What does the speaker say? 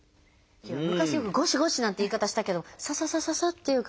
昔よくゴシゴシなんて言い方したけどサササササっていう感じの。